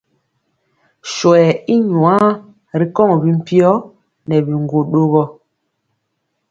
Swɛɛ i nwaa ri kɔŋ mpiyɔ nɛ biŋgwo ɗogɔ.